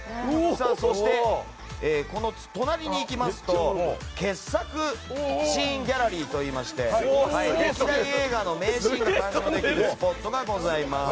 そして隣に行きますとケッさくシーンギャラリーといいまして歴代映画の名シーンが鑑賞できるスポットがございます。